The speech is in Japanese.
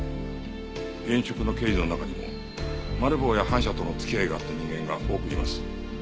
現職の刑事の中にもマル暴や反社との付き合いがあった人間が多くいます。